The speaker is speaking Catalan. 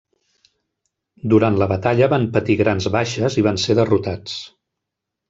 Durant la batalla van patir grans baixes i van ser derrotats.